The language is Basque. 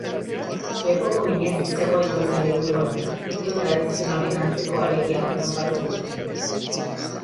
Lepoko minez zegoen hontza liburuan, ipuin tradizionalen antzeko alegia bat kontatzen digute.